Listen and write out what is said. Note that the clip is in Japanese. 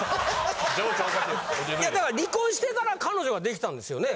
いやだから離婚してから彼女ができたんですよね？